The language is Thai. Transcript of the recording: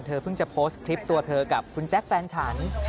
เพิ่งจะโพสต์คลิปตัวเธอกับคุณแจ๊คแฟนฉัน